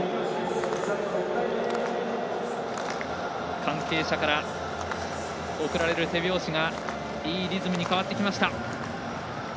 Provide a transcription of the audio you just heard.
関係者から送られる手拍子がいいリズムに変わってきました。